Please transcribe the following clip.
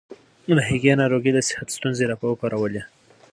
د هغې ناروغي د صحت ستونزې راوپارولې.